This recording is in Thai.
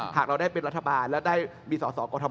หากเราได้เป็นรัฐบาลและได้มีสอสอกรทม